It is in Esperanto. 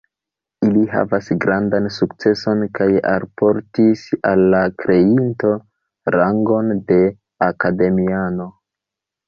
Ili havis grandan sukceson kaj alportis al la kreinto rangon de akademiano.